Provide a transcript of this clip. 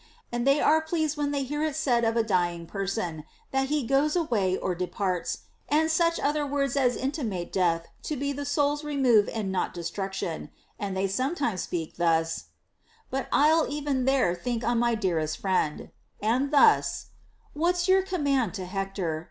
And they are pleased when they hear it said of ACCORDING TO EPICURUS. 197 a dying person, that he goes away or departs, and such other words as intimate death to be the soul's remove and not destruction. And they sometimes speak thus : But I'll even there think on my dearest friend ;* and thus : What's your command to Hector